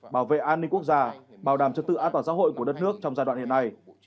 bảo vệ an ninh quốc gia bảo đảm chất tự án tỏa xã hội của đất nước trong giai đoạn hiện nay